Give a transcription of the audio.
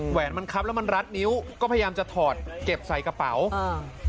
แหนมันคับแล้วมันรัดนิ้วก็พยายามจะถอดเก็บใส่กระเป๋าอ่า